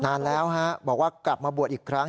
นานแล้วฮะบอกว่ากลับมาบวชอีกครั้ง